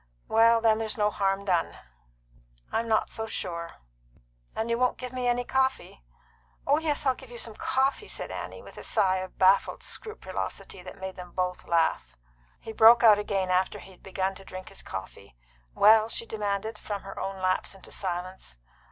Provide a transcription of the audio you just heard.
"Well, then, there's no harm done." "I'm not so sure." "And you won't give me any coffee?" "Oh yes, I'll give you some coffee," said Annie, with a sigh of baffled scrupulosity that made them both laugh. He broke out again after he had begun to drink his coffee. "Well?" she demanded, from her own lapse into silence.